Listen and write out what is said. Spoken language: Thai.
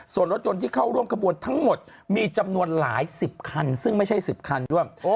ส่วนรถยนต์ที่เข้าร่วมขบวนทั้งหมดมีจำนวนหลายสิบคันซึ่งไม่ใช่๑๐คันด้วย